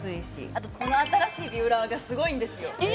あとこの新しいビューラーがすごいんですよ